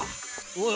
おい